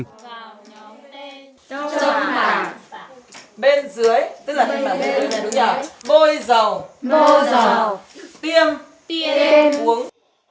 trong bảng bên dưới bôi dầu tiêm uống